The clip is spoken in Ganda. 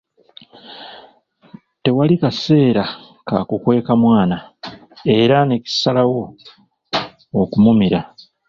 Tewali kaseera ka kukweeka mwana, era ne kisalawo okumumira.